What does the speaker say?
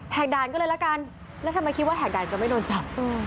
ด่านก็เลยละกันแล้วทำไมคิดว่าแหกด่านจะไม่โดนจับ